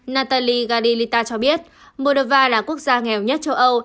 natalie garilita cho biết moldova là quốc gia nghèo nhất châu âu